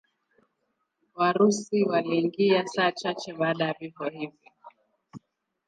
Warusi waliingia saa chache baada ya vifo hivi.